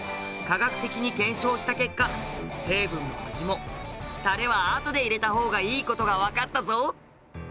科学的に検証した結果成分も味もタレはあとで入れた方がいい事がわかったぞ。